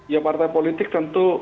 ya partai politik tentu